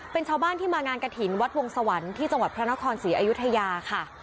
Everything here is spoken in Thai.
เป็นชาวบ้านที่มางานกระถิ่นวัดวงสวรรค์ที่จังหวัดพระนครศรีอยุธยาค่ะ